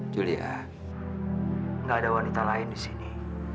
julia nggak ada wanita lain di sini